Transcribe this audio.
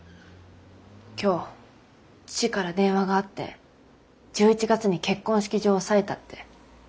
今日父から電話があって１１月に結婚式場を押さえたって。